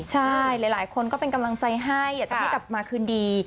ใช่หลายคนก็เป็นกำลังใจให้อยากจะให้กลับมาคืนดี